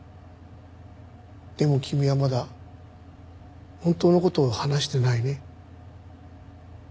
でも君はまだ本当の事を話していないね。